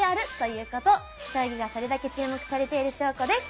将棋がそれだけ注目されている証拠です。